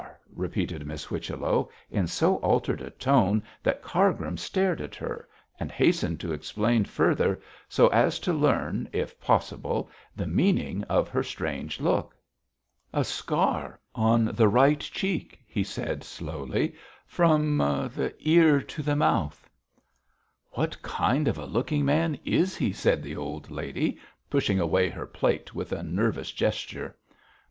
repeated Miss Whichello, in so altered a tone that Cargrim stared at her, and hastened to explain further, so as to learn, if possible, the meaning of her strange look. 'A scar on the right cheek,' he said slowly, 'from the ear to the mouth.' 'What kind of a looking man is he?' asked the old lady, pushing away her plate with a nervous gesture.